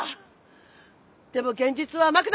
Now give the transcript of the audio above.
でも現実は甘くなかった！